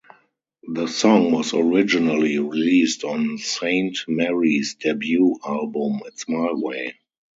The song was originally released on Sainte-Marie's debut album It's My Way!